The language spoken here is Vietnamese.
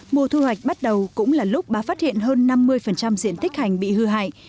mùa thu hoạch bắt đầu cũng là lúc bà phát hiện hơn năm mươi diện tích hành bị hư hại